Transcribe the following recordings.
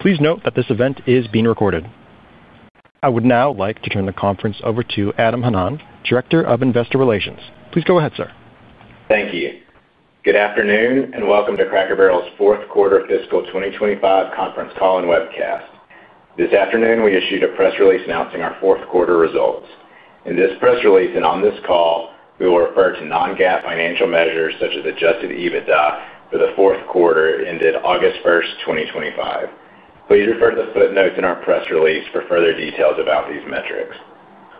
Please note that this event is being recorded. I would now like to turn the conference over to Adam Hanan, Director of Investor Relations. Please go ahead, sir. Thank you. Good afternoon and welcome to Cracker Barrel's Fourth Quarter Fiscal 2025 Conference Call and Webcast. This afternoon, we issued a press release announcing our fourth quarter results. In this press release and on this call, we will refer to non-GAAP financial measures such as adjusted EBITDA for the fourth quarter ended August 1st, 2025. Please refer to the footnotes in our press release for further details about these metrics.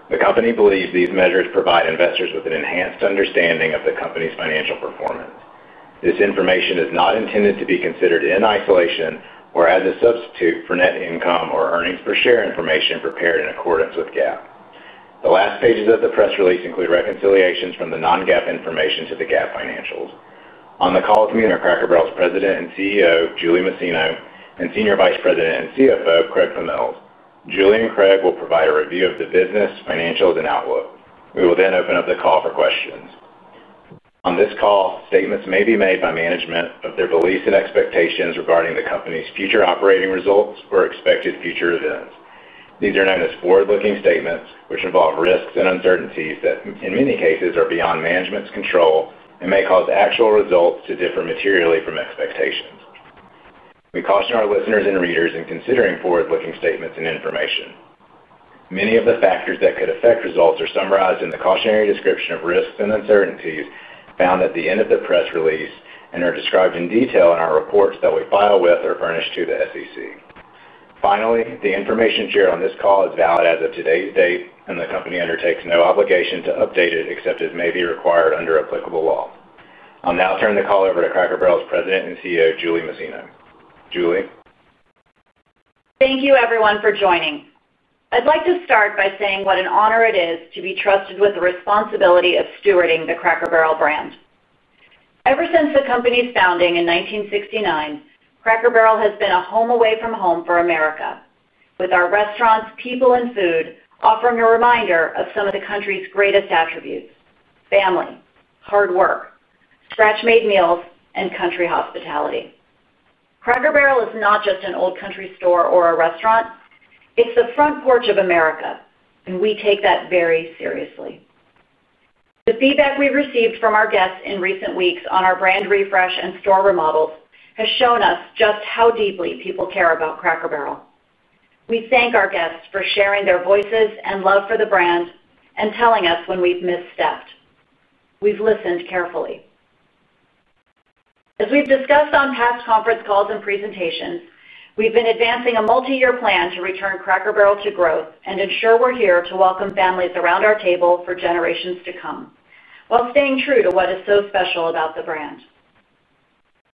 The company believes these measures provide investors with an enhanced understanding of the company's financial performance. This information is not intended to be considered in isolation or as a substitute for net income or earnings per share information prepared in accordance with GAAP. The last pages of the press release include reconciliations from the non-GAAP information to the GAAP financials. On the call with me are Cracker Barrel's President and CEO, Julie Masino, and Senior Vice President and CFO, Craig Pommells. Julie and Craig will provide a review of the business financials and outlook. We will then open up the call for questions. On this call, statements may be made by management of their beliefs and expectations regarding the company's future operating results or expected future events. These are known as forward-looking statements, which involve risks and uncertainties that in many cases are beyond management's control and may cause actual results to differ materially from expectations. We caution our listeners and readers in considering forward-looking statements and information. Many of the factors that could affect results are summarized in the cautionary description of risks and uncertainties found at the end of the press release and are described in detail in our reports that we file with or furnish to the SEC. Finally, the information shared on this call is valid as of today's date, and the company undertakes no obligation to update it except as may be required under applicable law. I'll now turn the call over to Cracker Barrel's President and CEO, Julie Masino. Julie. Thank you, everyone, for joining. I'd like to start by saying what an honor it is to be trusted with the responsibility of stewarding the Cracker Barrel brand. Ever since the company's founding in 1969, Cracker Barrel has been a home away from home for America, with our restaurants, people, and food offering a reminder of some of the country's greatest attributes: family, hard work, scratch-made meals, and country hospitality. Cracker Barrel is not just an old country store or a restaurant. It's the front porch of America, and we take that very seriously. The feedback we received from our guests in recent weeks on our brand refresh and store remodels has shown us just how deeply people care about Cracker Barrel. We thank our guests for sharing their voices and love for the brand and telling us when we've misstepped. We've listened carefully. As we've discussed on past conference calls and presentations, we've been advancing a multi-year plan to return Cracker Barrel to growth and ensure we're here to welcome families around our table for generations to come while staying true to what is so special about the brand.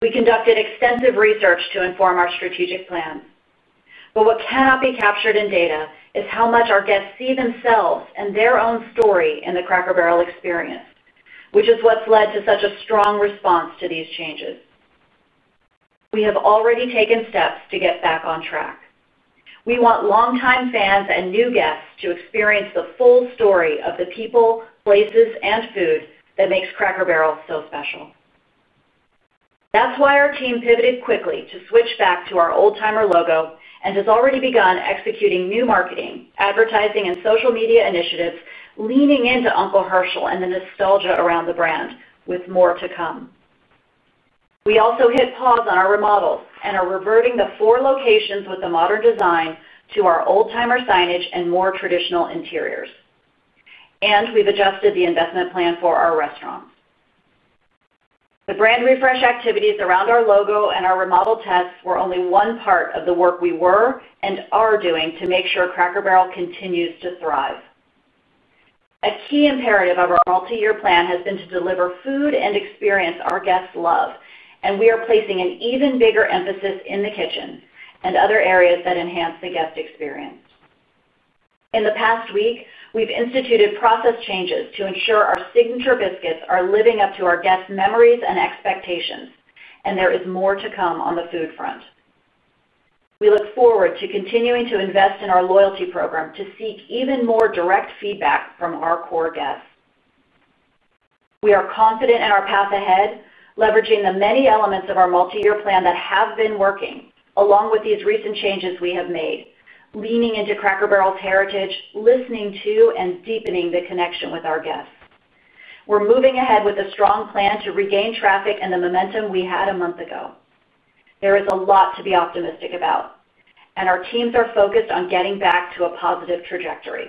We conducted extensive research to inform our strategic plan. What cannot be captured in data is how much our guests see themselves and their own story in the Cracker Barrel experience, which is what's led to such a strong response to these changes. We have already taken steps to get back on track. We want longtime fans and new guests to experience the full story of the people, places, and food that makes Cracker Barrel so special. That's why our team pivoted quickly to switch back to our old-timer logo and has already begun executing new marketing, advertising, and social media initiatives, leaning into Uncle Herschel and the nostalgia around the brand, with more to come. We also hit pause on our remodels and are reverting the four locations with the modern design to our old-timer signage and more traditional interiors. We've adjusted the investment plan for our restaurants. The brand refresh activities around our logo and our remodel tests were only one part of the work we were and are doing to make sure Cracker Barrel continues to thrive. A key imperative of our multi-year plan has been to deliver food and experience our guests love, and we are placing an even bigger emphasis in the kitchen and other areas that enhance the guest experience. In the past week, we've instituted process changes to ensure our signature biscuits are living up to our guests' memories and expectations, and there is more to come on the food front. We look forward to continuing to invest in our loyalty program to seek even more direct feedback from our core guests. We are confident in our path ahead, leveraging the many elements of our multi-year plan that have been working along with these recent changes we have made, leaning into Cracker Barrel's heritage, listening to, and deepening the connection with our guests. We're moving ahead with a strong plan to regain traffic and the momentum we had a month ago. There is a lot to be optimistic about, and our teams are focused on getting back to a positive trajectory.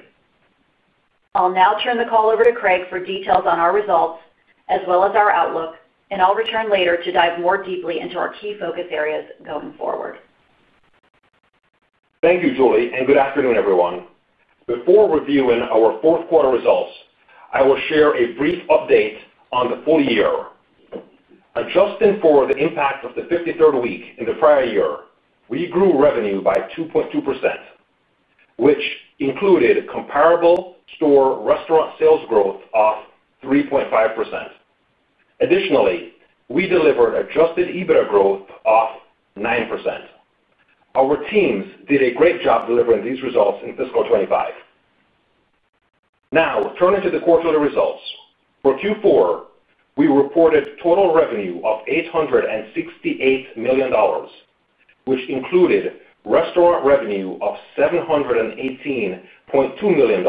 I'll now turn the call over to Craig for details on our results as well as our outlook, and I'll return later to dive more deeply into our key focus areas going forward. Thank you, Julie, and good afternoon, everyone. Before reviewing our fourth quarter results, I will share a brief update on the full year. Adjusting for the impact of the 53rd week in the prior year, we grew revenue by 2.2%, which included comparable store restaurant sales growth of 3.5%. Additionally, we delivered adjusted EBITDA growth of 9%. Our teams did a great job delivering these results in fiscal 2025. Now turning to the quarterly results. For Q4, we reported total revenue of $868 million, which included restaurant revenue of $718.2 million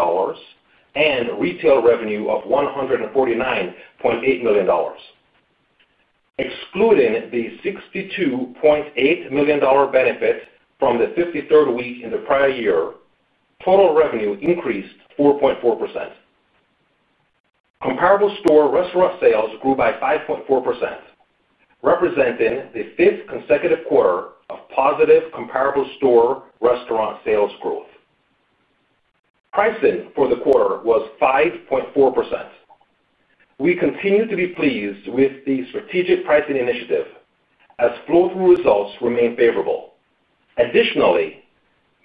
and retail revenue of $149.8 million. Excluding the $62.8 million benefit from the 53rd week in the prior year, total revenue increased 4.4%. Comparable store restaurant sales grew by 5.4%, representing the fifth consecutive quarter of positive comparable store restaurant sales growth. Pricing for the quarter was 5.4%. We continue to be pleased with the strategic pricing initiative as floating results remain favorable. Additionally,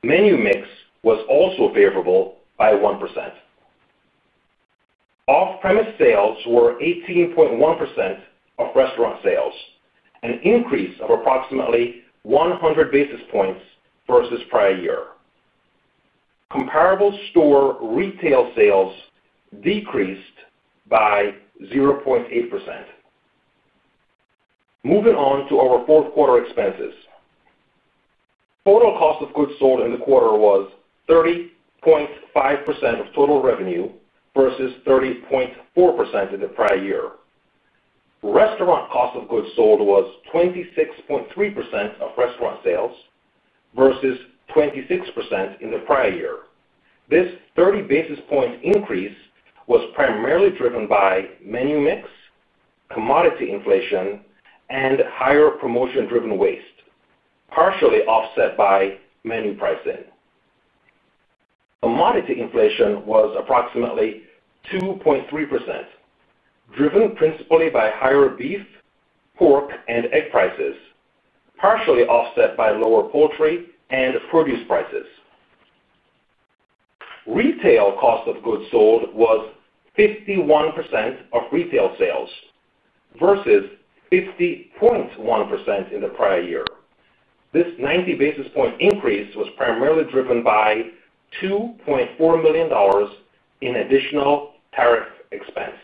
menu mix was also favorable by 1%. Off-premise sales were 18.1% of restaurant sales, an increase of approximately 100 basis points versus prior year. Comparable store retail sales decreased by 0.8%. Moving on to our fourth quarter expenses. Total cost of goods sold in the quarter was 30.5% of total revenue versus 30.4% in the prior year. Restaurant cost of goods sold was 26.3% of restaurant sales versus 26% in the prior year. This 30 basis point increase was primarily driven by menu mix, commodity inflation, and higher promotion-driven waste, partially offset by menu pricing. Commodity inflation was approximately 2.3%, driven principally by higher beef, pork, and egg prices, partially offset by lower poultry and produce prices. Retail cost of goods sold was 51% of retail sales versus 50.1% in the prior year. This 90 basis point increase was primarily driven by $2.4 million in additional tariff expense.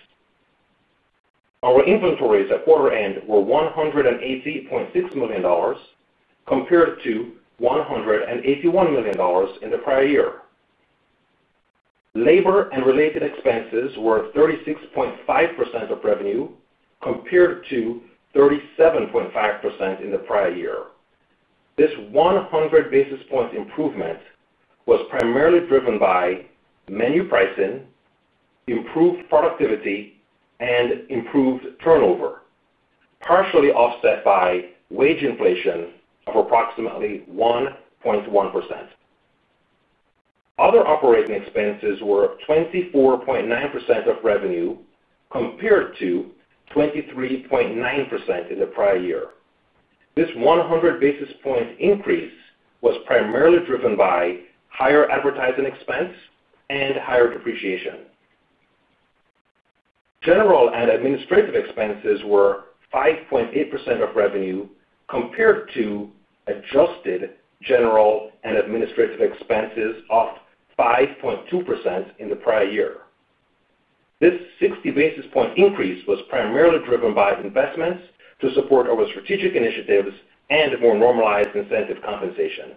Our inventories at quarter end were $180.6 million compared to $181 million in the prior year. Labor and related expenses were 36.5% of revenue compared to 37.5% in the prior year. This 100 basis point improvement was primarily driven by menu pricing, improved productivity, and improved turnover, partially offset by wage inflation of approximately 1.1%. Other operating expenses were 24.9% of revenue compared to 23.9% in the prior year. This 100 basis point increase was primarily driven by higher advertising expense and higher depreciation. General and administrative expenses were 5.8% of revenue compared to adjusted general and administrative expenses of 5.2% in the prior year. This 60 basis point increase was primarily driven by investments to support our strategic initiatives and more normalized incentive compensation.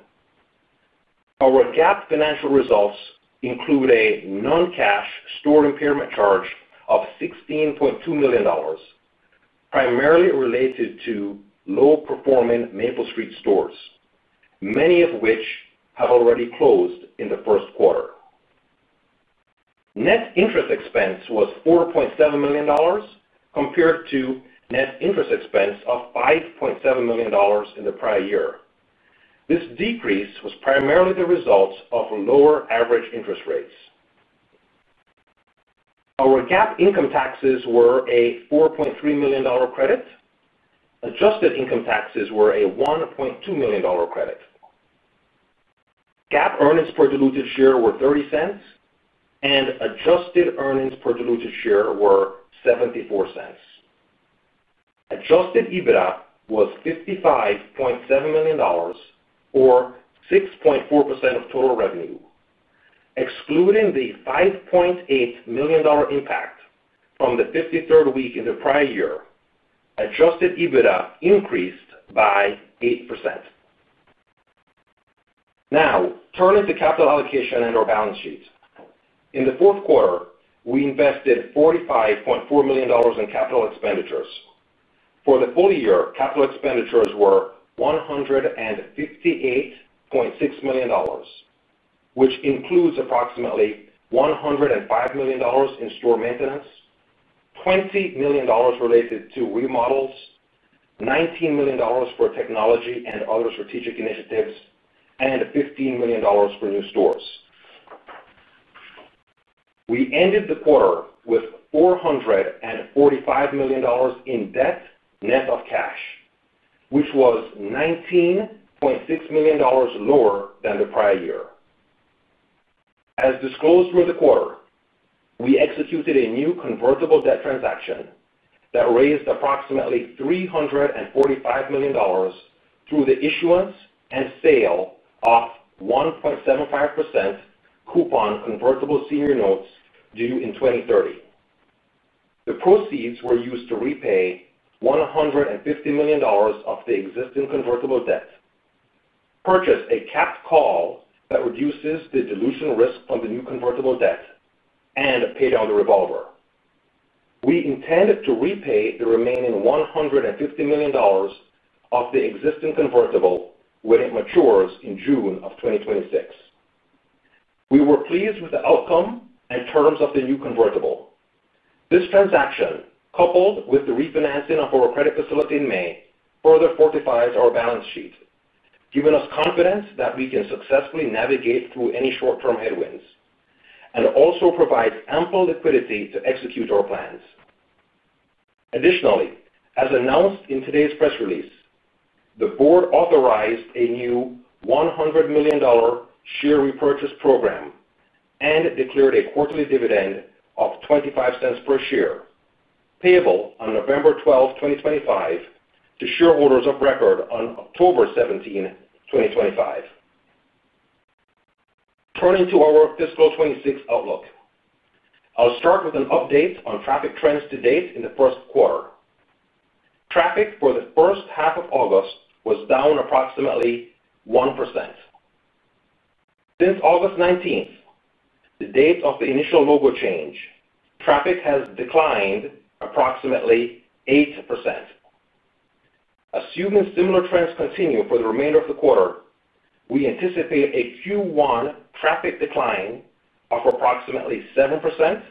Our GAAP financial results include a non-GAAP store impairment charge of $16.2 million, primarily related to low-performing Maple Street stores, many of which have already closed in the first quarter. Net interest expense was $4.7 million compared to net interest expense of $5.7 million in the prior year. This decrease was primarily the result of lower average interest rates. Our GAAP income taxes were a $4.3 million credit. Adjusted income taxes were a $1.2 million credit. GAAP earnings per diluted share were $0.30, and adjusted earnings per diluted share were $0.74. Adjusted EBITDA was $55.7 million or 6.4% of total revenue. Excluding the $5.8 million impact from the 53rd week in the prior year, adjusted EBITDA increased by 8%. Now turning to capital allocation on our balance sheet. In the fourth quarter, we invested $45.4 million in capital expenditures. For the full year, capital expenditures were $158.6 million, which includes approximately $105 million in store maintenance, $20 million related to remodels, $19 million for technology and other strategic initiatives, and $15 million for new stores. We ended the quarter with $445 million in debt net of cash, which was $19.6 million lower than the prior year. As disclosed for the quarter, we executed a new convertible debt transaction that raised approximately $345 million through the issuance and sale of 1.75% coupon convertible senior notes due in 2030. The proceeds were used to repay $150 million of the existing convertible debt, purchase a capped call that reduces the dilution risk on the new convertible debt, and pay down the revolver. We intend to repay the remaining $150 million of the existing convertible when it matures in June of 2026. We were pleased with the outcome and terms of the new convertible. This transaction, coupled with the refinancing of our credit facility in May, further fortifies our balance sheet, giving us confidence that we can successfully navigate through any short-term headwinds and also provides ample liquidity to execute our plans. Additionally, as announced in today's press release, the Board authorized a new $100 million share repurchase program and declared a quarterly dividend of $0.25 per share, payable on November 12, 2025, to shareholders of record on October 17, 2025. Turning to our fiscal 2026 outlook, I'll start with an update on traffic trends to date in the first quarter. Traffic for the first half of August was down approximately 1%. Since August 19, the date of the initial logo change, traffic has declined approximately 8%. Assuming similar trends continue for the remainder of the quarter, we anticipate a Q1 traffic decline of approximately 7%-8%.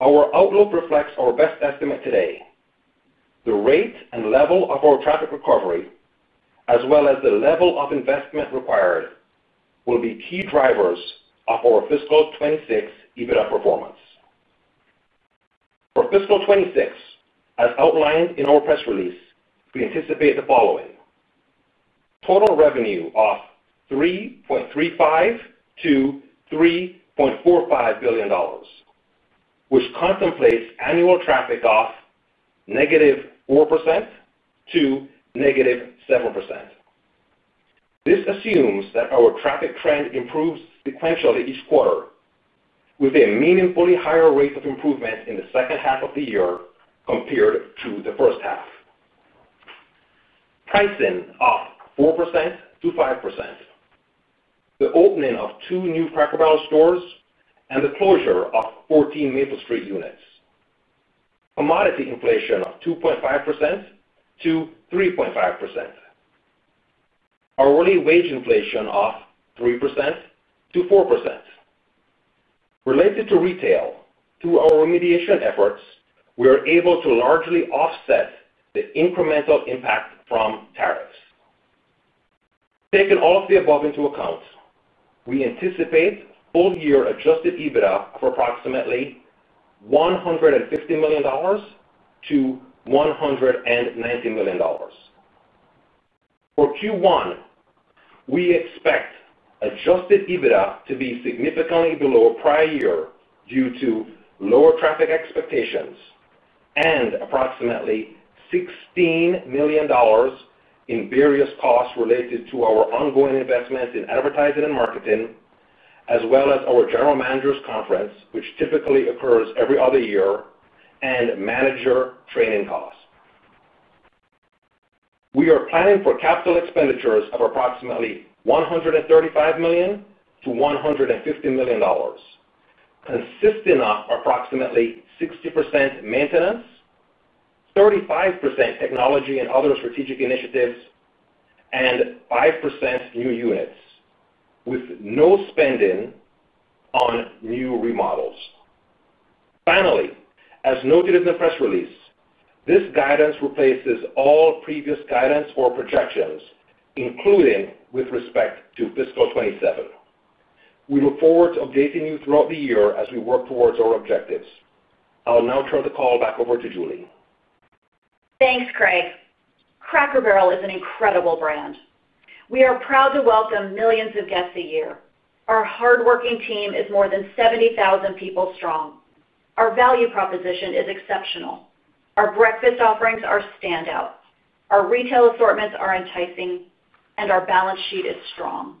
Our outlook reflects our best estimate today. The rate and level of our traffic recovery, as well as the level of investment required, will be key drivers of our fiscal 2026 EBITDA performance. For fiscal 2026, as outlined in our press release, we anticipate the following: total revenue of $3.35 million-$3.45 billion, which contemplates annual traffic of -4% to -7%. This assumes that our traffic trend improves sequentially each quarter, with a meaningfully higher rate of improvement in the second half of the year compared to the first half. Pricing of 4% to 5%. The opening of two new Cracker Barrel stores and the closure of 14 Maple Street units. Commodity inflation of 2.5% to 3.5%. Our early wage inflation of 3% to 4%. Related to retail, through our remediation efforts, we are able to largely offset the incremental impact from tariffs. Taking all of the above into account, we anticipate full-year adjusted EBITDA of approximately $150 million-$190 million. For Q1, we expect adjusted EBITDA to be significantly below prior year due to lower traffic expectations and approximately $16 million in various costs related to our ongoing investments in advertising and marketing, as well as our General Manager's Conference, which typically occurs every other year, and manager training costs. We are planning for capital expenditures of approximately $135 million-$150 million, consisting of approximately 60% maintenance, 35% technology and other strategic initiatives, and 5% new units, with no spending on new remodels. Finally, as noted in the press release, this guidance replaces all previous guidance or projections, including with respect to fiscal 2027. We look forward to updating you throughout the year as we work towards our objectives. I'll now turn the call back over to Julie. Thanks, Craig. Cracker Barrel is an incredible brand. We are proud to welcome millions of guests a year. Our hardworking team is more than 70,000 people strong. Our value proposition is exceptional. Our breakfast offerings are standout. Our retail assortments are enticing, and our balance sheet is strong.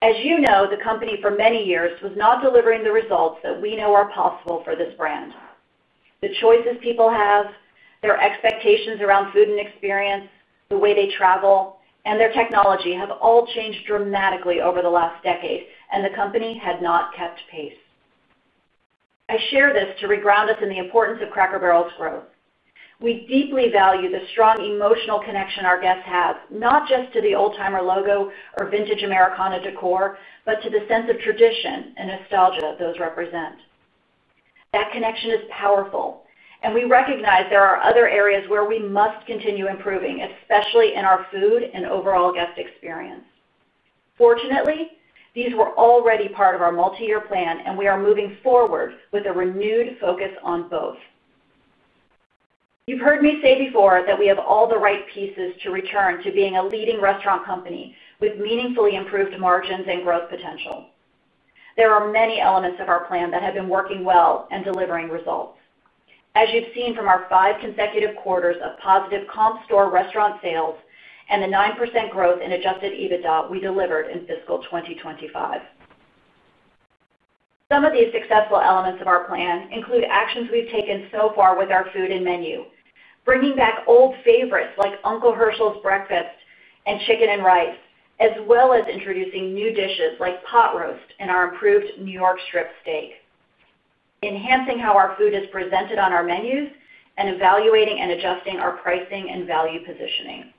As you know, the company for many years was not delivering the results that we know are possible for this brand. The choices people have, their expectations around food and experience, the way they travel, and their technology have all changed dramatically over the last decade, and the company had not kept pace. I share this to reground us in the importance of Cracker Barrel's growth. We deeply value the strong emotional connection our guests have, not just to the old-timer logo or vintage Americana decor, but to the sense of tradition and nostalgia those represent. That connection is powerful, and we recognize there are other areas where we must continue improving, especially in our food and overall guest experience. Fortunately, these were already part of our multi-year plan, and we are moving forward with a renewed focus on both. You've heard me say before that we have all the right pieces to return to being a leading restaurant company with meaningfully improved margins and growth potential. There are many elements of our plan that have been working well and delivering results, as you've seen from our five consecutive quarters of positive comparable store restaurant sales and the 9% growth in adjusted EBITDA we delivered in fiscal 2025. Some of these successful elements of our plan include actions we've taken so far with our food and menu, bringing back old favorites like Uncle Herschel’s breakfast and chicken and rice, as well as introducing new dishes like pot roast and our improved New York strip steak, enhancing how our food is presented on our menus, and evaluating and adjusting our pricing and value positioning.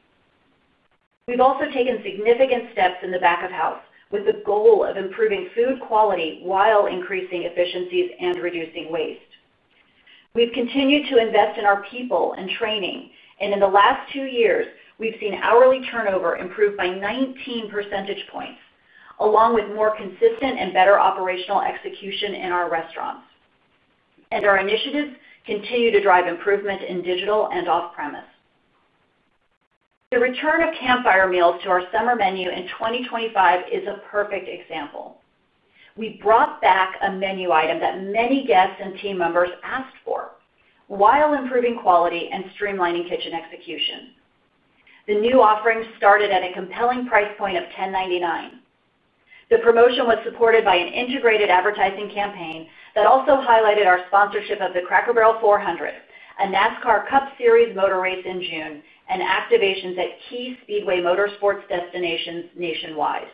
We've also taken significant steps in the back of house with the goal of improving food quality while increasing efficiencies and reducing waste. We've continued to invest in our people and training, and in the last two years, we've seen hourly turnover improved by 19 percentage points, along with more consistent and better operational execution in our restaurants. Our initiatives continue to drive improvement in digital and off-premise. The return of campfire meals to our summer menu in 2025 is a perfect example. We brought back a menu item that many guests and team members asked for while improving quality and streamlining kitchen execution. The new offering started at a compelling price point of $10.99. The promotion was supported by an integrated advertising campaign that also highlighted our sponsorship of the Cracker Barrel 400, a NASCAR Cup Series motor race in June, and activations at key Speedway Motorsports destinations nationwide.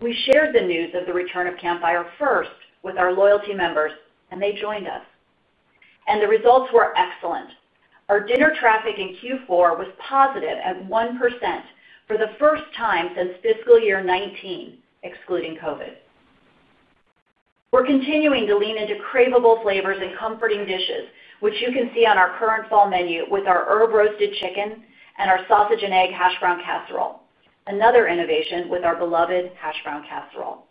We shared the news of the return of campfire first with our loyalty members, and they joined us. The results were excellent. Our dinner traffic in Q4 was positive at 1% for the first time since fiscal year 2019, excluding COVID. We're continuing to lean into craveable flavors and comforting dishes, which you can see on our current fall menu with our Herb-Roasted Chicken and our Sausage and Egg Hashbrown Casserole, another innovation with our beloved Hashbrown Casserole.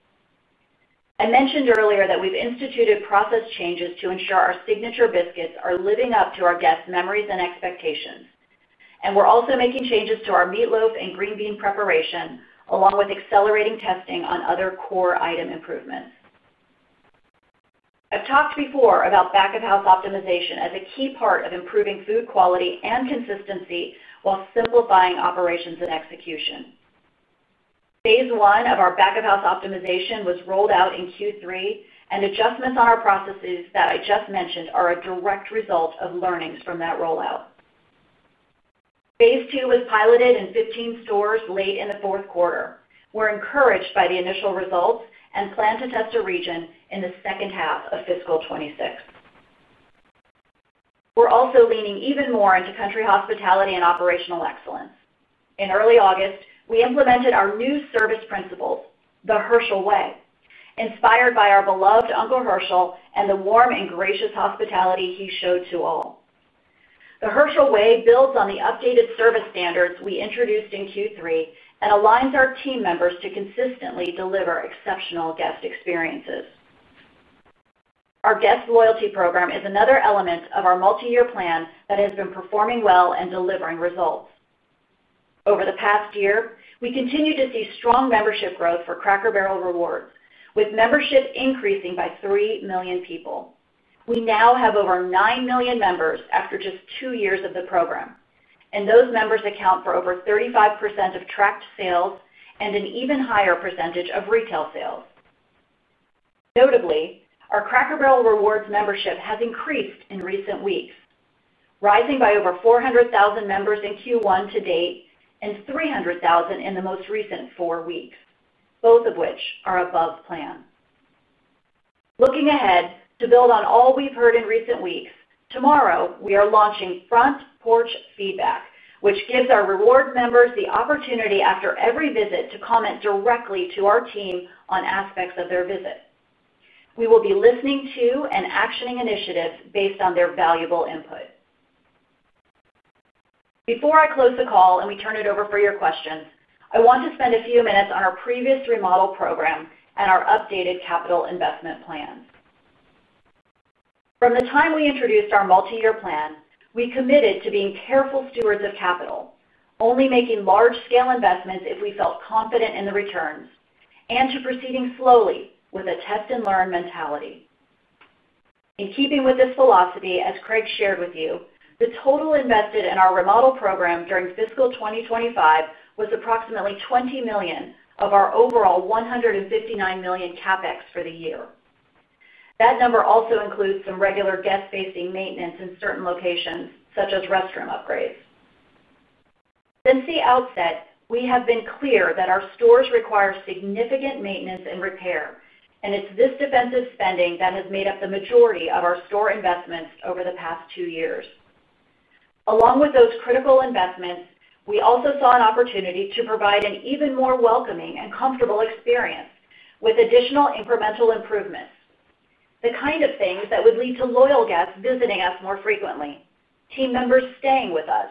I mentioned earlier that we've instituted process changes to ensure our signature biscuits are living up to our guests' memories and expectations. We're also making changes to our meatloaf and green bean preparation, along with accelerating testing on other core item improvements. I've talked before about back of house optimization as a key part of improving food quality and consistency while simplifying operations and execution. Phase one of our back of house optimization was rolled out in Q3, and adjustments on our processes that I just mentioned are a direct result of learnings from that rollout. Phase two was piloted in 15 stores late in the fourth quarter. We're encouraged by the initial results and plan to test a region in the second half of fiscal 2026. We're also leaning even more into country hospitality and operational excellence. In early August, we implemented our new service principle, the Herschel Way, inspired by our beloved Uncle Herschel and the warm and gracious hospitality he showed to all. The Herschel Way builds on the updated service standards we introduced in Q3 and aligns our team members to consistently deliver exceptional guest experiences. Our guest loyalty program is another element of our multi-year plan that has been performing well and delivering results. Over the past year, we continue to see strong membership growth for Cracker Barrel Rewards, with membership increasing by 3 million people. We now have over 9 million members after just two years of the program, and those members account for over 35% of tracked sales and an even higher percentage of retail sales. Notably, our Cracker Barrel Rewards membership has increased in recent weeks, rising by over 400,000 members in Q1 to date and 300,000 in the most recent four weeks, both of which are above plan. Looking ahead to build on all we've heard in recent weeks, tomorrow we are launching Front Porch Feedback, which gives our reward members the opportunity after every visit to comment directly to our team on aspects of their visit. We will be listening to and actioning initiatives based on their valuable input. Before I close the call and we turn it over for your questions, I want to spend a few minutes on our previous remodel program and our updated capital investment plan. From the time we introduced our multi-year plan, we committed to being careful stewards of capital, only making large-scale investments if we felt confident in the returns, and to proceeding slowly with a test and learn mentality. In keeping with this philosophy, as Craig shared with you, the total invested in our remodel program during fiscal 2025 was approximately $20 million of our overall $159 million CapEx for the year. That number also includes some regular guest-facing maintenance in certain locations, such as restroom upgrades. Since the outset, we have been clear that our stores require significant maintenance and repair, and it's this defensive spending that has made up the majority of our store investments over the past two years. Along with those critical investments, we also saw an opportunity to provide an even more welcoming and comfortable experience with additional incremental improvements. The kind of things that would lead to loyal guests visiting us more frequently, team members staying with us,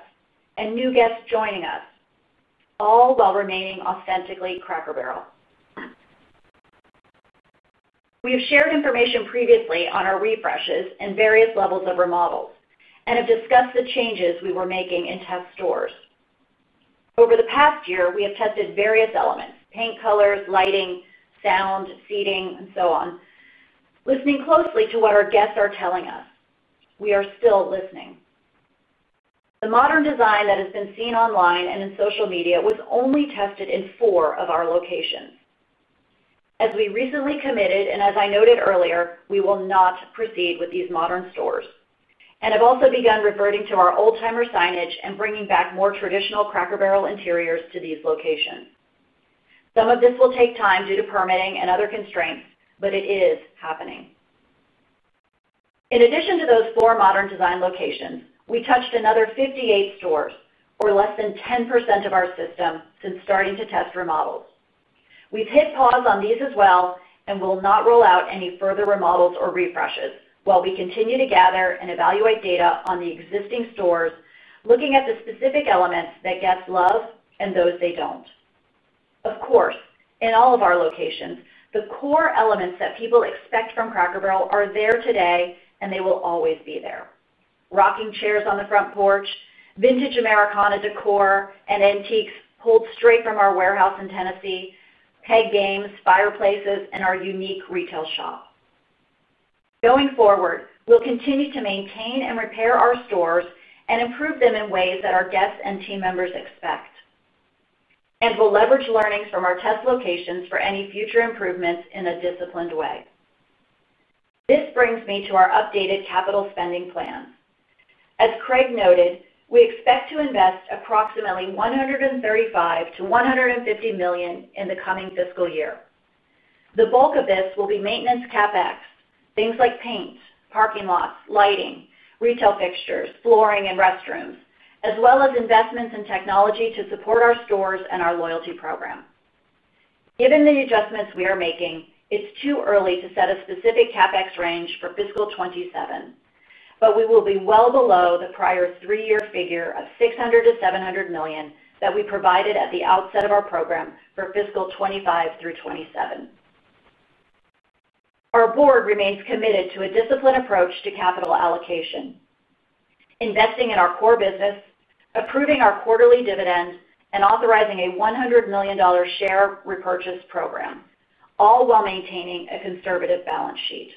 and new guests joining us, all while remaining authentically Cracker Barrel. We have shared information previously on our refreshes and various levels of remodel and have discussed the changes we were making in test stores. Over the past year, we have tested various elements: paint colors, lighting, sound, seating, and so on. Listening closely to what our guests are telling us, we are still listening. The modern design that has been seen online and in social media was only tested in four of our locations. As we recently committed, and as I noted earlier, we will not proceed with these modern stores. I have also begun reverting to our old-timer signage and bringing back more traditional Cracker Barrel interiors to these locations. Some of this will take time due to permitting and other constraints, but it is happening. In addition to those four modern design locations, we touched another 58 stores, or less than 10% of our system since starting to test remodels. We have hit pause on these as well and will not roll out any further remodels or refreshes while we continue to gather and evaluate data on the existing stores, looking at the specific elements that guests love and those they do not. Of course, in all of our locations, the core elements that people expect from Cracker Barrel are there today and they will always be there: rocking chairs on the front porch, vintage Americana decor and antiques pulled straight from our warehouse in Tennessee, peg games, fireplaces, and our unique retail shop. Going forward, we will continue to maintain and repair our stores and improve them in ways that our guests and team members expect. We will leverage learnings from our test locations for any future improvements in a disciplined way. This brings me to our updated capital spending plan. As Craig noted, we expect to invest approximately $135 million-$150 million in the coming fiscal year. The bulk of this will be maintenance CapEx, things like paint, parking lots, lighting, retail fixtures, flooring, and restrooms, as well as investments in technology to support our stores and our loyalty program. Given the adjustments we are making, it is too early to set a specific CapEx range for fiscal 2027, but we will be well below the prior three-year figure of $600 million-$700 million that we provided at the outset of our program for fiscal 2025 through 2027. Our board remains committed to a disciplined approach to capital allocation, investing in our core business, approving our quarterly dividends, and authorizing a $100 million share repurchase program, all while maintaining a conservative balance sheet.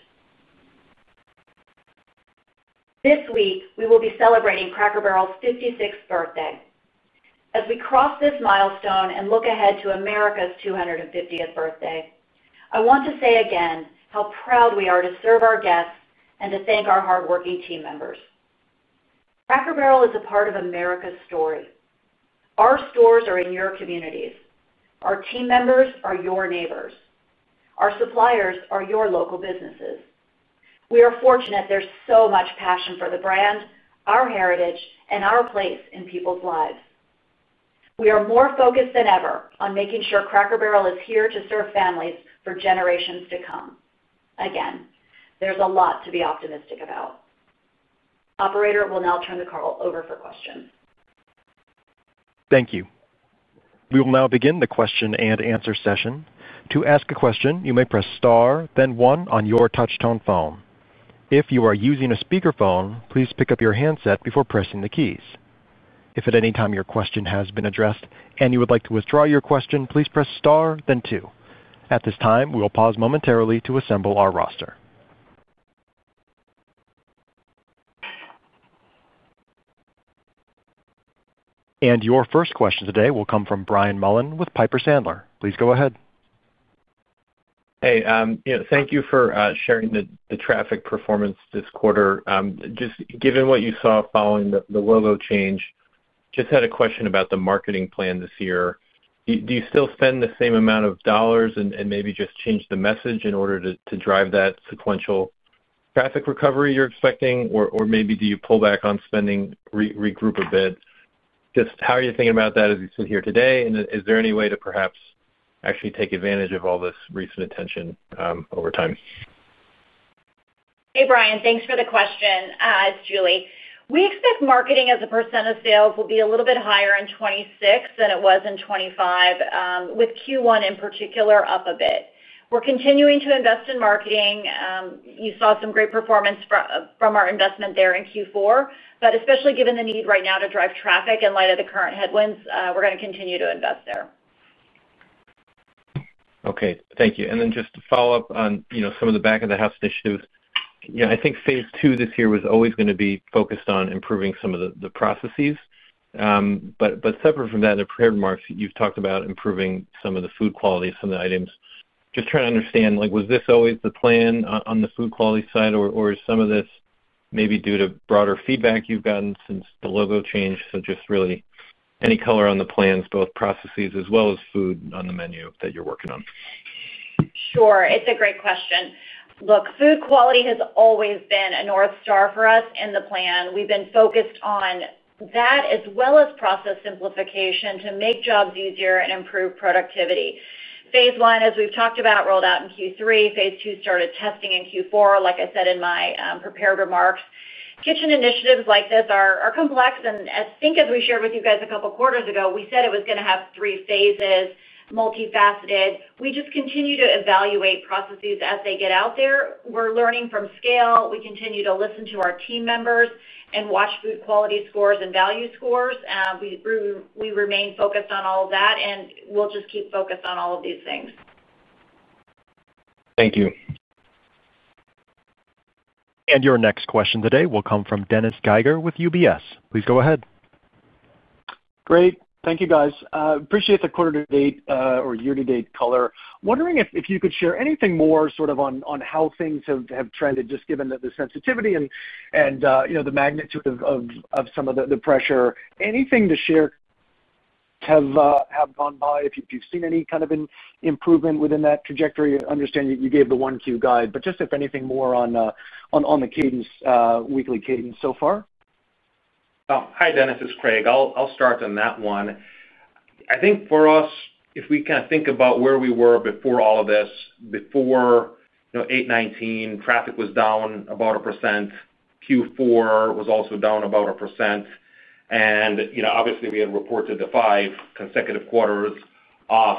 This week, we will be celebrating Cracker Barrel's 56th birthday. As we cross this milestone and look ahead to America's 250th birthday, I want to say again how proud we are to serve our guests and to thank our hardworking team members. Cracker Barrel is a part of America's story. Our stores are in your communities. Our team members are your neighbors. Our suppliers are your local businesses. We are fortunate there's so much passion for the brand, our heritage, and our place in people's lives. We are more focused than ever on making sure Cracker Barrel is here to serve families for generations to come. Again, there's a lot to be optimistic about. Operator will now turn the call over for questions. Thank you. We will now begin the question and answer session. To ask a question, you may press star, then one on your touch-tone phone. If you are using a speaker phone, please pick up your handset before pressing the keys. If at any time your question has been addressed and you would like to withdraw your question, please press star, then two. At this time, we will pause momentarily to assemble our roster. Your first question today will come from Brian Mullan with Piper Sandler. Please go ahead. Thank you for sharing the traffic performance this quarter. Given what you saw following the logo change, I have a question about the marketing plan this year. Do you still spend the same amount of dollars and maybe just change the message in order to drive that sequential traffic recovery you're expecting? Maybe do you pull back on spending, regroup a bit? How are you thinking about that as you sit here today? Is there any way to perhaps actually take advantage of all this recent attention over time? Hey, Brian. Thanks for the question. It's Julie. We expect marketing as a percentage of sales will be a little bit higher in 2026 than it was in 2025, with Q1 in particular up a bit. We're continuing to invest in marketing. You saw some great performance from our investment there in Q4. Especially given the need right now to drive traffic in light of the current headwinds, we're going to continue to invest there. Okay. Thank you. Just to follow up on some of the back of the house issues, I think phase two this year was always going to be focused on improving some of the processes. Separate from that, in the prepared remarks, you've talked about improving some of the food quality of some of the items. Just trying to understand, was this always the plan on the food quality side, or is some of this maybe due to broader feedback you've gotten since the logo change? Really any color on the plans, both processes as well as food on the menu that you're working on? Sure. It's a great question. Look, food quality has always been a North Star for us in the plan. We've been focused on that as well as process simplification to make jobs easier and improve productivity. Phase one, as we've talked about, rolled out in Q3. Phase two started testing in Q4. Like I said in my prepared remarks, kitchen initiatives like this are complex. I think as we shared with you guys a couple of quarters ago, we said it was going to have three phases, multifaceted. We just continue to evaluate processes as they get out there. We're learning from scale. We continue to listen to our team members and watch food quality scores and value scores. We remain focused on all of that, and we'll just keep focused on all of these things. Thank you. Your next question today will come from Dennis Geiger with UBS. Please go ahead. Great. Thank you, guys. Appreciate the quarter-to-date or year-to-date color. Wondering if you could share anything more on how things have trended, just given the sensitivity and the magnitude of some of the pressure. Anything to share to have gone by if you've seen any kind of improvement within that trajectory? I understand you gave the one-Q guide, just if anything more on the weekly cadence so far? Oh, hi, Dennis. It's Craig. I'll start on that one. I think for us, if we kind of think about where we were before all of this, before 8/19, traffic was down about 1%. Q4 was also down about 1%. Obviously, we had reported the five consecutive quarters of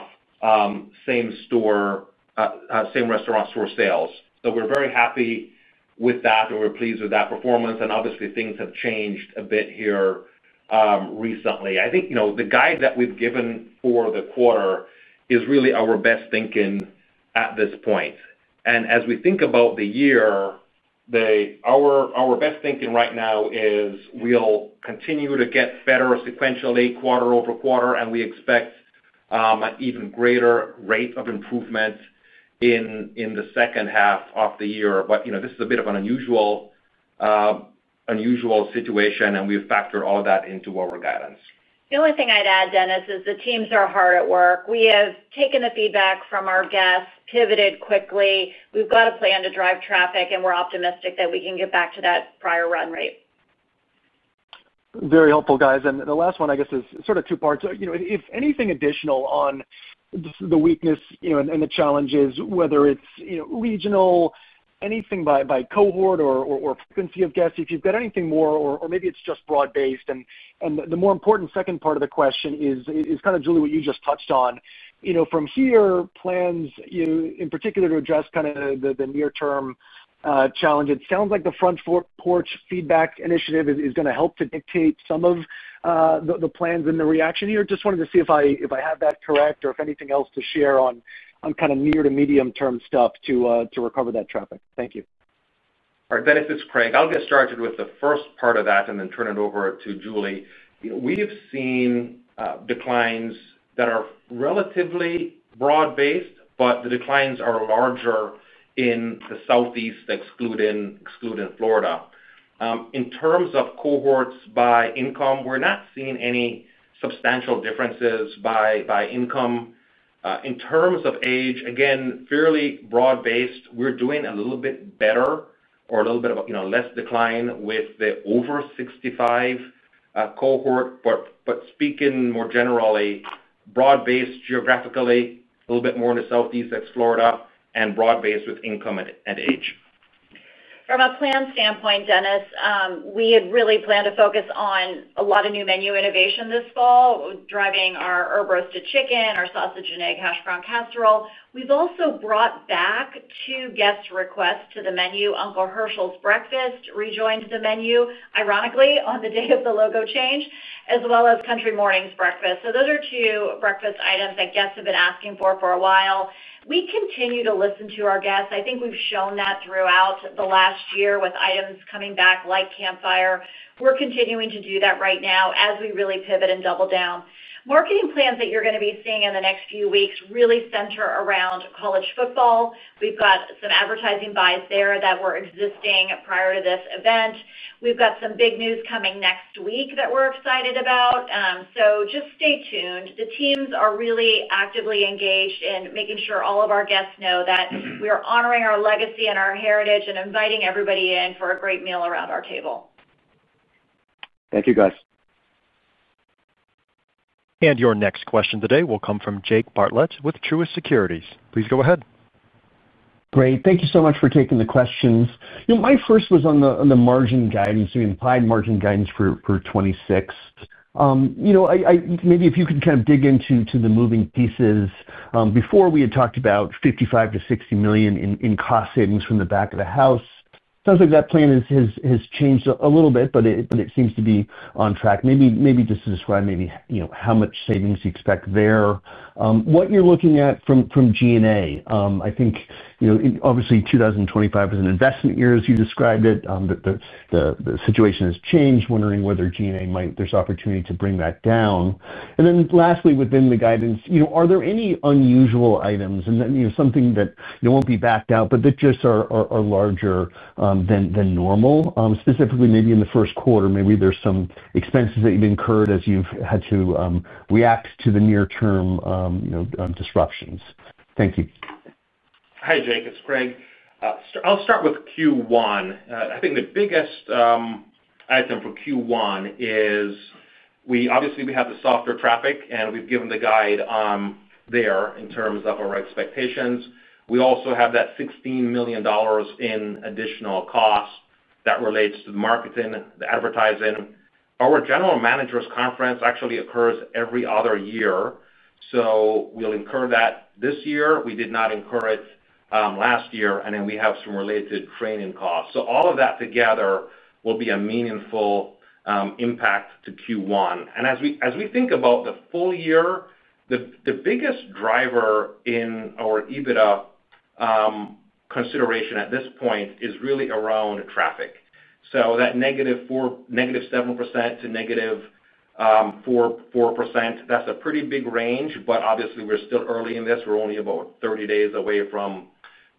same restaurant store sales. We're very happy with that, and we're pleased with that performance. Obviously, things have changed a bit here recently. I think the guide that we've given for the quarter is really our best thinking at this point. As we think about the year, our best thinking right now is we'll continue to get better sequentially quarter over quarter, and we expect an even greater rate of improvement in the second half of the year. This is a bit of an unusual situation, and we've factored all of that into our guidance. The only thing I'd add, Dennis, is the teams are hard at work. We have taken the feedback from our guests, pivoted quickly, and we've got a plan to drive traffic. We're optimistic that we can get back to that prior run rate. Very helpful, guys. The last one, I guess, is sort of two parts. If anything additional on the weakness and the challenges, whether it's regional, anything by cohort or frequency of guests, if you've got anything more, or maybe it's just broad-based. The more important second part of the question is kind of, Julie, what you just touched on. From here, plans in particular to address kind of the near-term challenges. It sounds like the front porch feedback initiative is going to help to dictate some of the plans and the reaction here. I just wanted to see if I have that correct or if anything else to share on kind of near to medium-term stuff to recover that traffic. Thank you. All right. Dennis, it's Craig. I'll get started with the first part of that and then turn it over to Julie. We have seen declines that are relatively broad-based, but the declines are larger in the Southeast, excluding Florida. In terms of cohorts by income, we're not seeing any substantial differences by income. In terms of age, again, fairly broad-based, we're doing a little bit better or a little bit of a less decline with the over 65 cohort. Speaking more generally, broad-based geographically, a little bit more in the Southeast, excluding Florida, and broad-based with income and age. From a plan standpoint, Dennis, we had really planned to focus on a lot of new menu innovation this fall, driving our Herb Roasted Chicken, our Sausage and Egg Hashbrown Casserole. We have also brought back two guest requests to the menu: Uncle Herschel’s breakfast rejoined the menu, ironically, on the day of the logo change, as well as Country Morning’s breakfast. Those are two breakfast items that guests have been asking for for a while. We continue to listen to our guests. I think we have shown that throughout the last year with items coming back like campfire meals. We are continuing to do that right now as we really pivot and double down. Marketing plans that you are going to be seeing in the next few weeks really center around college football. We have some advertising buys there that were existing prior to this event. We have some big news coming next week that we are excited about. Just stay tuned. The teams are really actively engaged in making sure all of our guests know that we are honoring our legacy and our heritage and inviting everybody in for a great meal around our table. Thank you, guys. Your next question today will come from Jake Bartlett with Truist Securities. Please go ahead. Great. Thank you so much for taking the questions. My first was on the margin guidance, I mean, the [tied] margin guidance for 2026. Maybe if you could kind of dig into the moving pieces. Before, we had talked about $55 million-$60 million in cost savings from the back of the house. Sounds like that plan has changed a little bit, but it seems to be on track. Maybe just describe how much savings you expect there. What you're looking at from G&A, I think, obviously, 2025 is an investment year, as you described it. The situation has changed. Wondering whether G&A might, there's opportunity to bring that down. Lastly, within the guidance, are there any unusual items? Is there something that won't be backed out, but that just are larger than normal, specifically maybe in the first quarter? Maybe there's some expenses that you've incurred as you've had to react to the near-term disruptions. Thank you. Hi, Jake. It's Craig. I'll start with Q1. I think the biggest item for Q1 is, obviously, we have the softer traffic, and we've given the guide there in terms of our expectations. We also have that $16 million in additional costs that relates to the marketing, the advertising. Our General Manager's Conference actually occurs every other year. We'll incur that this year. We did not incur it last year. We have some related training costs. All of that together will be a meaningful impact to Q1. As we think about the full year, the biggest driver in our EBITDA consideration at this point is really around traffic. That -4%, -7% to -4%, that's a pretty big range. Obviously, we're still early in this. We're only about 30 days away from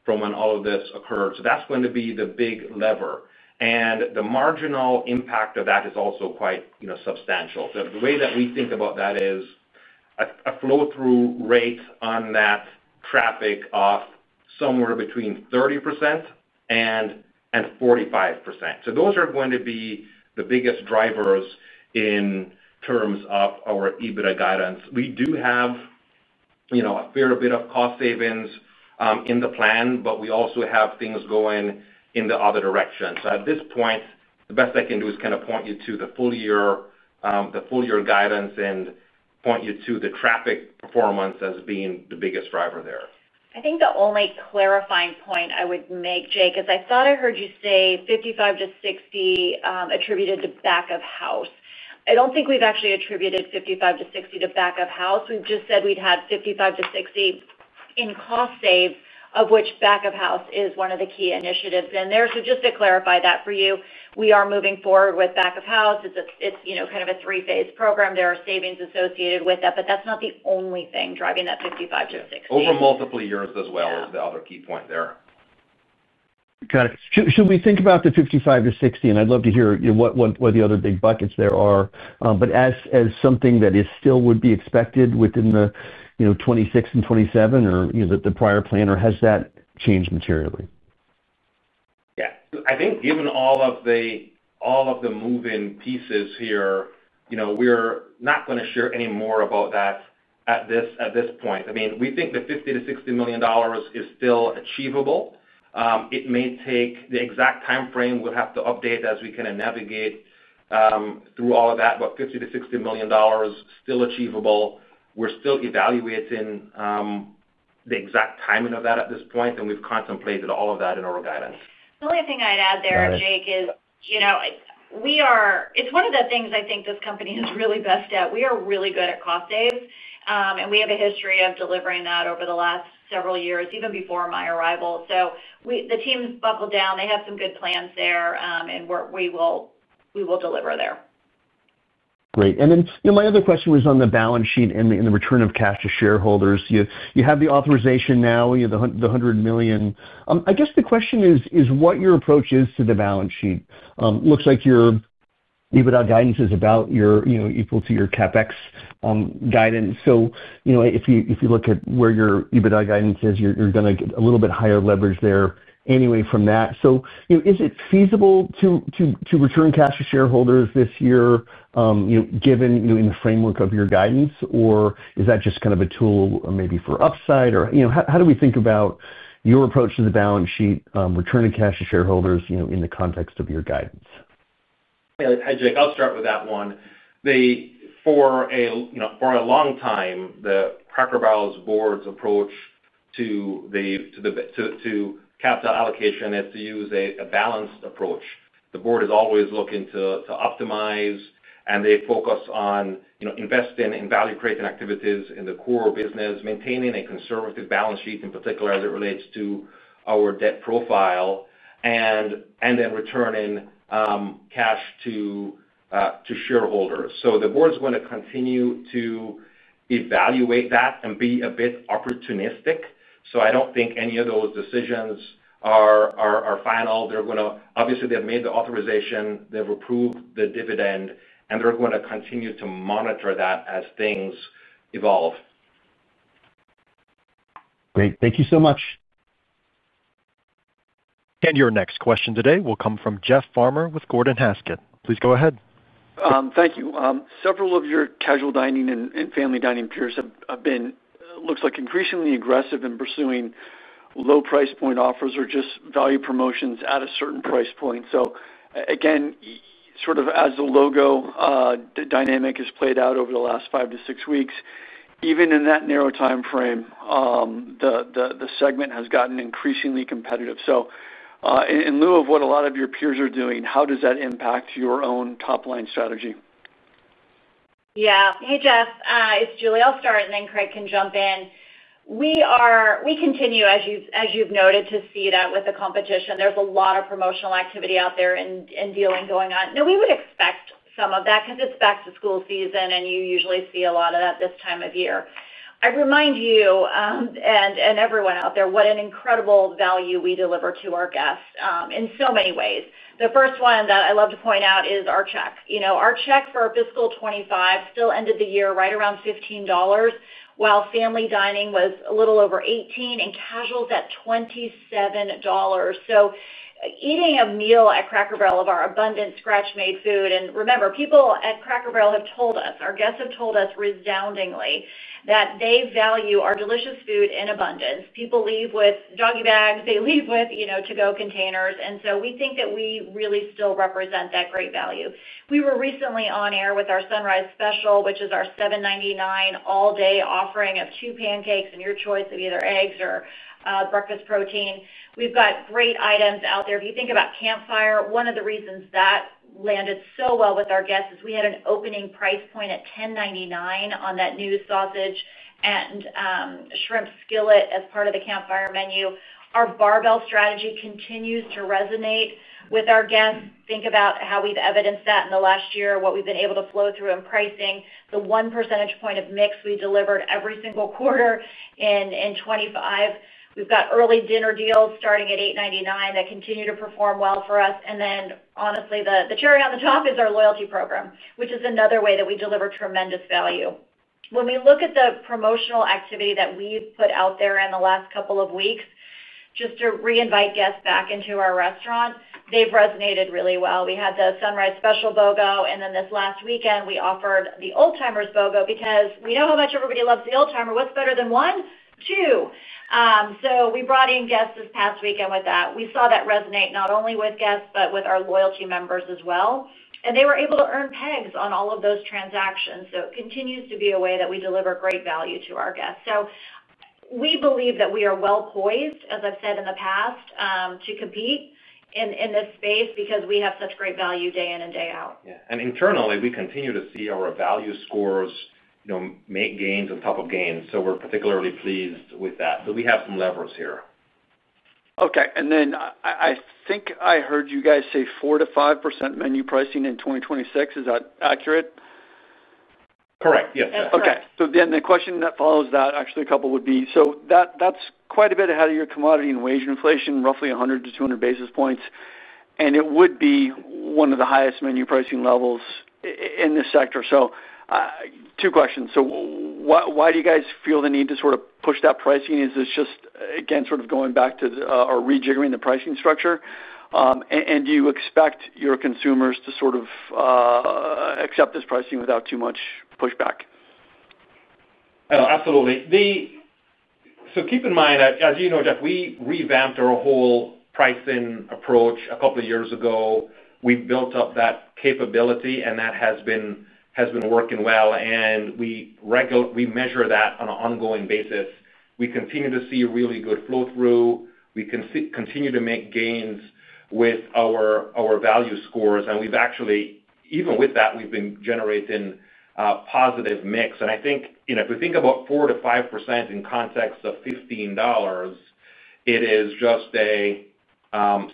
when all of this occurred. That's going to be the big lever. The marginal impact of that is also quite substantial. The way that we think about that is a flow-through rate on that traffic of somewhere between 30% and 45%. Those are going to be the biggest drivers in terms of our EBITDA guidance. We do have a fair bit of cost savings in the plan, but we also have things going in the other direction. At this point, the best I can do is kind of point you to the full year guidance and point you to the traffic performance as being the biggest driver there. I think the only clarifying point I would make, Jake, is I thought I heard you say $55 million-$60 million attributed to back of house. I don't think we've actually attributed $55 million-$60 million to back of house. We've just said we'd have $55 million-$60 million in cost saves, of which back of house is one of the key initiatives in there. Just to clarify that for you, we are moving forward with back of house. It's kind of a three-phase program. There are savings associated with that, but that's not the only thing driving that $55 million-$60 million. Over multiple years as well, the other key point there. Got it. Should we think about the $55 million-$60 million? I'd love to hear what the other big buckets there are. Is that something that still would be expected within 2026 and 2027 or the prior plan, or has that changed materially? I think given all of the move-in pieces here, we're not going to share any more about that at this point. We think the $50 million-$60 million is still achievable. It may take the exact time frame. We'll have to update as we kind of navigate through all of that. $50 million-$60 million is still achievable. We're still evaluating the exact timing of that at this point, and we've contemplated all of that in our guidance. The only thing I'd add there, Jake, is it's one of the things I think this company is really best at. We are really good at cost saves, and we have a history of delivering that over the last several years, even before my arrival. The teams buckled down, they had some good plans there, and we will deliver there. Great. My other question was on the balance sheet and the return of cash to shareholders. You have the authorization now, the $100 million. I guess the question is what your approach is to the balance sheet. It looks like your EBITDA guidance is about equal to your CapEx guidance. If you look at where your EBITDA guidance is, you're going to get a little bit higher leverage there anyway from that. Is it feasible to return cash to shareholders this year given in the framework of your guidance, or is that just kind of a tool maybe for upside? How do we think about your approach to the balance sheet, returning cash to shareholders in the context of your guidance? Yeah. Hi, Jake. I'll start with that one. For a long time, Cracker Barrel's board's approach to capital allocation is to use a balanced approach. The board is always looking to optimize, and they focus on investing in value-creating activities in the core of business, maintaining a conservative balance sheet, in particular as it relates to our debt profile, and then returning cash to shareholders. The board's going to continue to evaluate that and be a bit opportunistic. I don't think any of those decisions are final. Obviously, they've made the authorization. They've approved the dividend, and they're going to continue to monitor that as things evolve. Great, thank you so much. Your next question today will come from Jeff Farmer with Gordon Haskett. Please go ahead. Thank you. Several of your casual dining and family dining peers have been, it looks like, increasingly aggressive in pursuing low price point offers or just value promotions at a certain price point. As the logo dynamic has played out over the last five to six weeks, even in that narrow time frame, the segment has gotten increasingly competitive. In lieu of what a lot of your peers are doing, how does that impact your own top-line strategy? Yeah. Hey, Jeff. It's Julie. I'll start, and then Craig can jump in. We continue, as you've noted, to see that with the competition. There's a lot of promotional activity out there and dealing going on. We would expect some of that because it's back-to-school season, and you usually see a lot of that this time of year. I remind you and everyone out there what an incredible value we deliver to our guests in so many ways. The first one that I love to point out is our check. Our check for fiscal 2025 still ended the year right around $15, while family dining was a little over $18 and casuals at $27. Eating a meal at Cracker Barrel of our abundant scratch-made food. Remember, people at Cracker Barrel have told us, our guests have told us resoundingly that they value our delicious food in abundance. People leave with doggy bags. They leave with to-go containers. We think that we really still represent that great value. We were recently on air with our Sunrise Special, which is our $7.99 all-day offering of two pancakes and your choice of either eggs or breakfast protein. We've got great items out there. If you think about Campfire, one of the reasons that landed so well with our guests is we had an opening price point at $10.99 on that new Sausage and Shrimp Skillet as part of the Campfire menu. Our barbell strategy continues to resonate with our guests. Think about how we've evidenced that in the last year, what we've been able to flow through in pricing, the one percentage point of mix we delivered every single quarter in 2025. We've got early dinner deals starting at $8.99 that continue to perform well for us. Honestly, the cherry on the top is our loyalty program, which is another way that we deliver tremendous value. When we look at the promotional activity that we've put out there in the last couple of weeks, just to reinvite guests back into our restaurant, they've resonated really well. We had the Sunrise Special logo, and this last weekend, we offered the old-timers logo because we know how much everybody loves the old-timer. What's better than one? Two. We brought in guests this past weekend with that. We saw that resonate not only with guests, but with our loyalty members as well. They were able to earn pegs on all of those transactions. It continues to be a way that we deliver great value to our guests. We believe that we are well poised, as I've said in the past, to compete in this space because we have such great value day in and day out. Internally, we continue to see our value scores make gains on top of gains. We are particularly pleased with that, and we have some levers here. Okay. I think I heard you guys say 4%-5% menu pricing in 2026. Is that accurate? Correct. Yeah. Okay. The question that follows that, actually, a couple would be, that's quite a bit ahead of your commodity and wage inflation, roughly 100 to 200 basis points. It would be one of the highest menu pricing levels in this sector. Two questions. Why do you guys feel the need to sort of push that pricing? Is this just, again, sort of going back to or rejiggering the pricing structure? Do you expect your consumers to sort of accept this pricing without too much pushback? Oh, absolutely. Keep in mind, as you know, Jeff, we revamped our whole pricing approach a couple of years ago. We built up that capability, and that has been working well. We measure that on an ongoing basis. We continue to see really good flow-through. We can continue to make gains with our value scores. We've actually, even with that, been generating a positive mix. I think, if we think about 4%-5% in context of $15, it is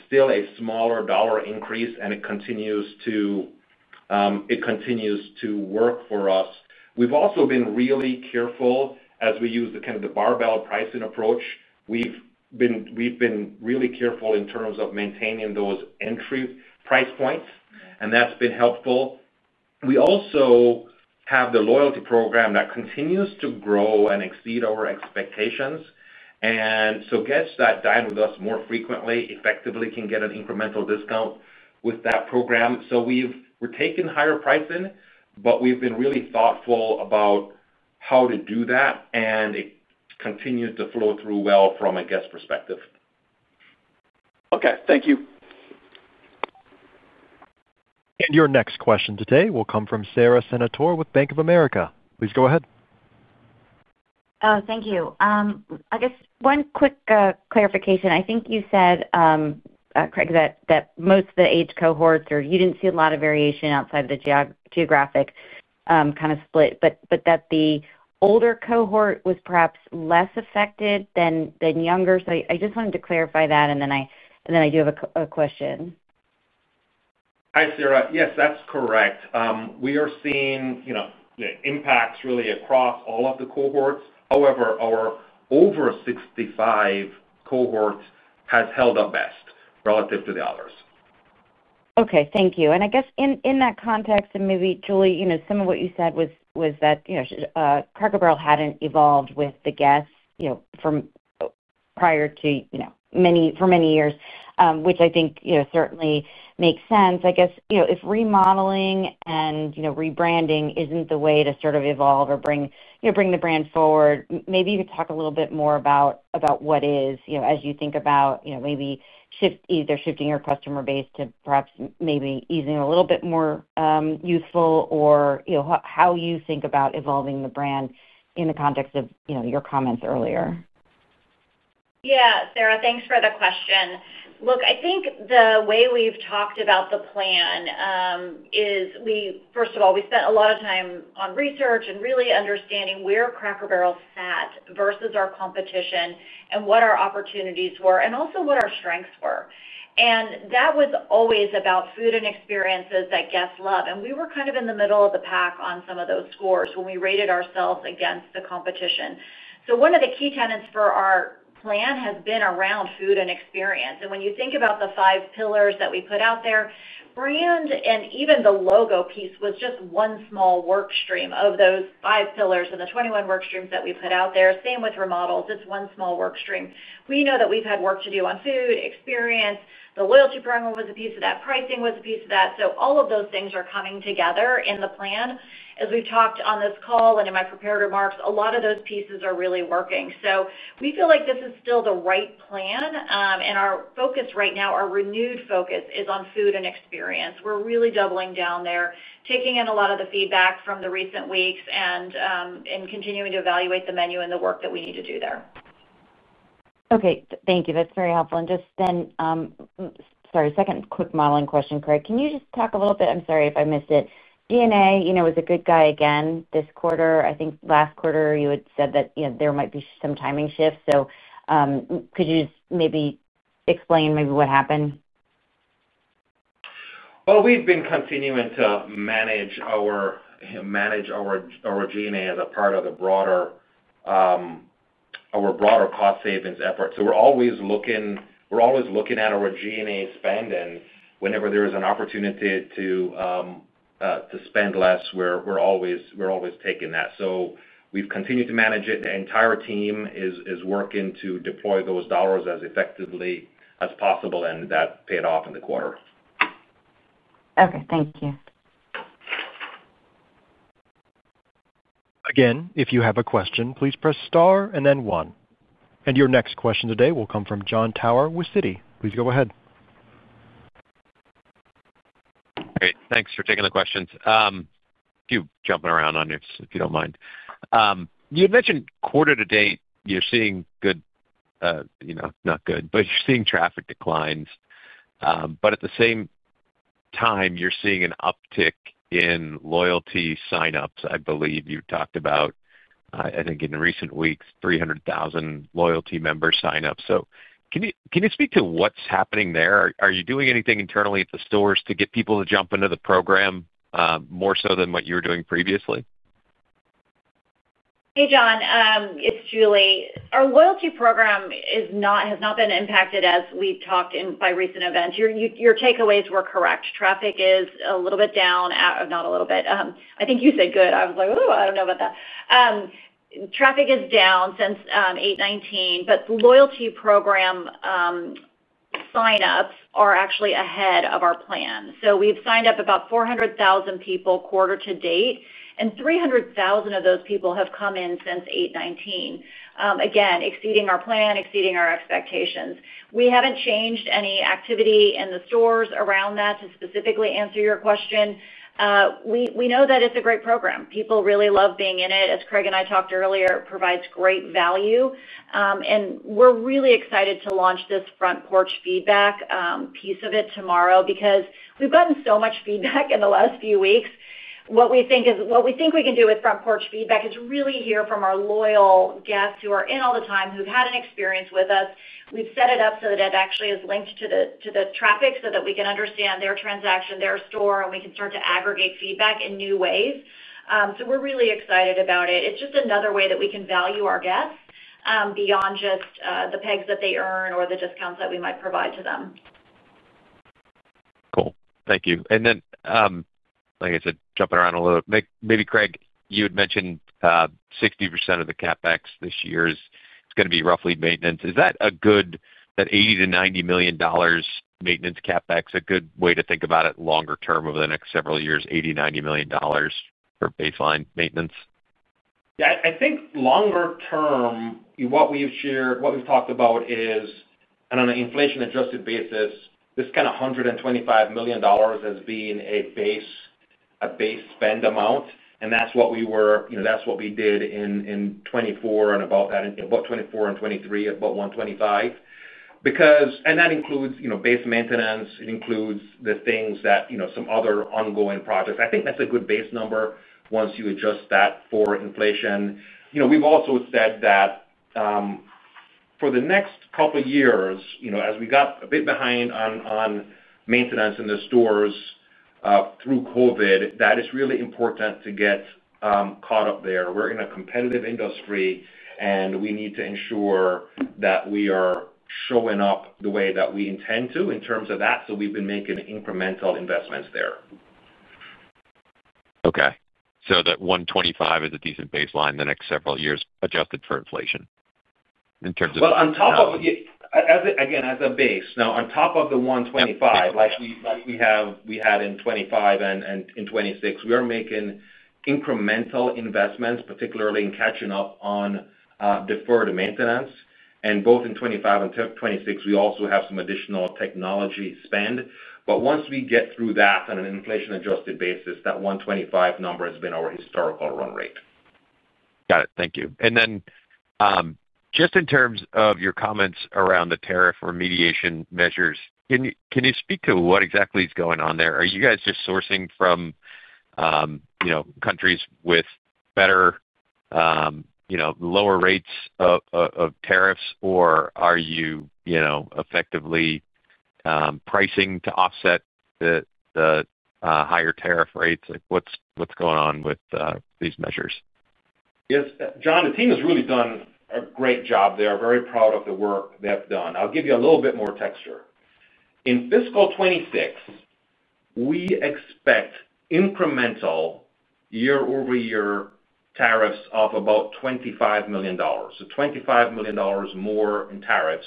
still a smaller dollar increase, and it continues to work for us. We've also been really careful as we use the barbell pricing approach. We've been really careful in terms of maintaining those entry price points, and that's been helpful. We also have the loyalty program that continues to grow and exceed our expectations. Guests that dine with us more frequently effectively can get an incremental discount with that program. We've taken higher pricing, but we've been really thoughtful about how to do that, and it continues to flow through well from a guest perspective. Okay, thank you. Your next question today will come from Sara Senatore with Bank of America. Please go ahead. Thank you. I guess one quick clarification. I think you said, Craig, that most of the age cohorts, or you didn't see a lot of variation outside of the geographic kind of split, but that the older cohort was perhaps less affected than younger. I just wanted to clarify that. I do have a question. Hi, Sara. Yes, that's correct. We are seeing impacts really across all of the cohorts. However, our over 65 cohort has held up best relative to the others. Thank you. I guess in that context, and maybe, Julie, some of what you said was that Cracker Barrel hadn't evolved with the guests prior to for many years, which I think certainly makes sense. I guess if remodeling and rebranding isn't the way to sort of evolve or bring the brand forward, maybe you could talk a little bit more about what is, as you think about maybe either shifting your customer base to perhaps maybe using a little bit more youthful or how you think about evolving the brand in the context of your comments earlier. Yeah, Sara, thanks for the question. I think the way we've talked about the plan is, first of all, we spent a lot of time on research and really understanding where Cracker Barrel sat versus our competition and what our opportunities were and also what our strengths were. That was always about food and experiences that guests love. We were kind of in the middle of the pack on some of those scores when we rated ourselves against the competition. One of the key tenets for our plan has been around food and experience. When you think about the five pillars that we put out there, brand and even the logo piece was just one small workstream of those five pillars and the 21 workstreams that we put out there. Same with remodels. It's one small workstream. We know that we've had work to do on food, experience. The loyalty program was a piece of that. Pricing was a piece of that. All of those things are coming together in the plan. As we've talked on this call and in my prepared remarks, a lot of those pieces are really working. We feel like this is still the right plan. Our focus right now, our renewed focus is on food and experience. We're really doubling down there, taking in a lot of the feedback from the recent weeks and continuing to evaluate the menu and the work that we need to do there. Okay. Thank you. That's very helpful. Just a second quick modeling question, Craig. Can you just talk a little bit? I'm sorry if I missed it. G&A was a good guy again this quarter. I think last quarter you had said that there might be some timing shifts. Could you just maybe explain maybe what happened? We have been continuing to manage our G&A as a part of our broader cost savings effort. We are always looking at our G&A spending. Whenever there is an opportunity to spend less, we are always taking that. We have continued to manage it. The entire team is working to deploy those dollars as effectively as possible, and that paid off in the quarter. Okay, thank you. Again, if you have a question, please press star and then one. Your next question today will come from Jon Tower with Citi. Please go ahead. Great. Thanks for taking the questions. A few jumping around on yours, if you don't mind. You had mentioned quarter to date, you're seeing, you know, not good, but you're seeing traffic declines. At the same time, you're seeing an uptick in loyalty signups. I believe you talked about, I think in the recent weeks, 300,000 loyalty members sign up. Can you speak to what's happening there? Are you doing anything internally at the stores to get people to jump into the program more so than what you were doing previously? Hey, Jon. It's Julie. Our loyalty program has not been impacted as we talked in by recent events. Your takeaways were correct. Traffic is a little bit down. Not a little bit. I think you said good. I was like, "Oh, I don't know about that." Traffic is down since 8/19, but the loyalty program signups are actually ahead of our plan. We have signed up about 400,000 people quarter to date, and 300,000 of those people have come in since 8/19. Again, exceeding our plan, exceeding our expectations. We haven't changed any activity in the stores around that to specifically answer your question. We know that it's a great program. People really love being in it. As Craig and I talked earlier, it provides great value. We are really excited to launch this front porch feedback piece of it tomorrow because we've gotten so much feedback in the last few weeks. What we think we can do with Front Porch Feedback is really hear from our loyal guests who are in all the time, who've had an experience with us. We've set it up so that it actually is linked to the traffic so that we can understand their transaction, their store, and we can start to aggregate feedback in new ways. We are really excited about it. It's just another way that we can value our guests beyond just the pegs that they earn or the discounts that we might provide to them. Thank you. Like I said, jumping around a little, maybe, Craig, you had mentioned 60% of the CapEx this year is going to be roughly maintenance. Is that a good, that $80 million-$90 million maintenance CapEx, a good way to think about it longer term over the next several years, $80 million-$90 million for baseline maintenance? Yeah. I think longer term, what we've shared, what we've talked about is, on an inflation-adjusted basis, this kind of $125 million has been a base spend amount. That's what we did in 2024 and about that, about 2024 and 2023, about $125 million. That includes base maintenance. It includes the things that some other ongoing projects. I think that's a good base number once you adjust that for inflation. We've also said that for the next couple of years, as we got a bit behind on maintenance in the stores through COVID, it's really important to get caught up there. We're in a competitive industry, and we need to ensure that we are showing up the way that we intend to in terms of that. We've been making incremental investments there. Okay, that $125 million is a decent baseline in the next several years, adjusted for inflation in terms of. On top of, again, as a base, now on top of the $125 million, like we have, we had in 2025 and in 2026, we are making incremental investments, particularly in catching up on deferred maintenance. In 2025 and 2026, we also have some additional technology spend. Once we get through that, on an inflation-adjusted basis, that $125 million number has been our historical run rate. Got it. Thank you. In terms of your comments around the tariff remediation measures, can you speak to what exactly is going on there? Are you guys just sourcing from countries with better, lower rates of tariffs, or are you effectively pricing to offset the higher tariff rates? What's going on with these measures? Yes, John. The team has really done a great job. They are very proud of the work they've done. I'll give you a little bit more texture. In fiscal 2026, we expect incremental year-over-year tariffs of about $25 million. $25 million more in tariffs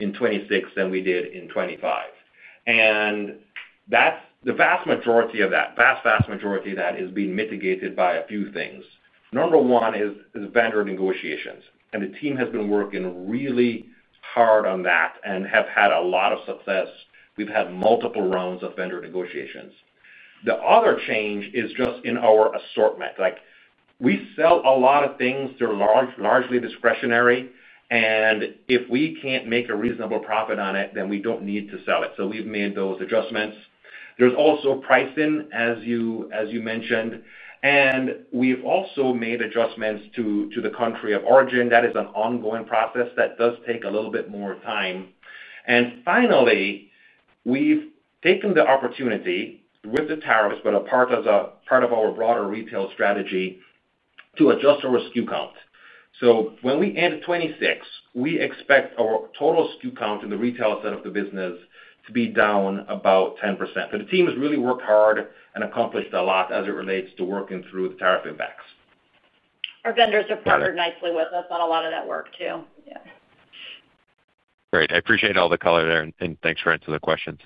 in 2026 than we did in 2025. That is the vast majority of that. Vast, vast majority of that has been mitigated by a few things. Number one is vendor negotiations. The team has been working really hard on that and have had a lot of success. We've had multiple rounds of vendor negotiations. The other change is just in our assortment. We sell a lot of things that are largely discretionary. If we can't make a reasonable profit on it, then we don't need to sell it. We've made those adjustments. There's also pricing, as you mentioned. We've also made adjustments to the country of origin. That is an ongoing process that does take a little bit more time. Finally, we've taken the opportunity with the tariffs, as part of our broader retail strategy, to adjust our SKU count. When we end 2026, we expect our total SKU count in the retail side of the business to be down about 10%. The team has really worked hard and accomplished a lot as it relates to working through the tariff impacts. Our vendors have partnered nicely with us on a lot of that work too. Great. I appreciate all the color there. Thanks for answering the questions.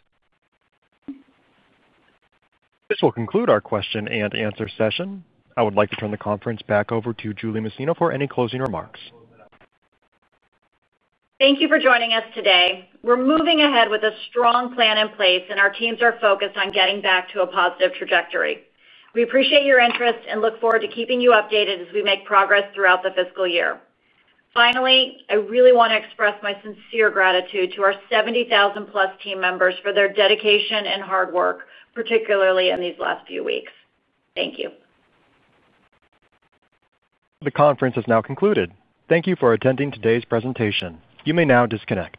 This will conclude our question and answer session. I would like to turn the conference back over to Julie Masino for any closing remarks. Thank you for joining us today. We're moving ahead with a strong plan in place, and our teams are focused on getting that to a positive trajectory. We appreciate your interest and look forward to keeping you updated as we make progress throughout the fiscal year. Finally, I really want to express my sincere gratitude to our 70,000+ team members for their dedication and hard work, particularly in these last few weeks. Thank you. The conference is now concluded. Thank you for attending today's presentation. You may now disconnect.